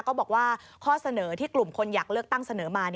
ก็บอกว่าข้อเสนอที่กลุ่มคนอยากเลือกตั้งเสนอมา